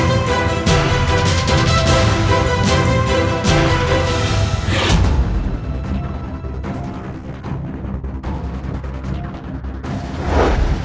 minkah mereka semua mengambil makhluk shoot who